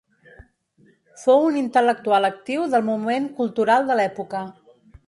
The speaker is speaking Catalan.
Fou un intel·lectual actiu del moment cultural de l'època.